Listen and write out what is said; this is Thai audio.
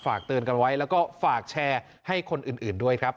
ฝากเตือนกันไว้แล้วก็ฝากแชร์ให้คนอื่นด้วยครับ